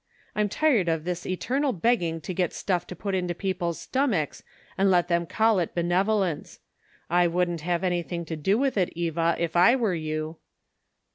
I'm tired of this eternal begging to get stuff to put into people's stomachs, and let them call it benevolence. I would't have anything to do with it, Eva, if I were you."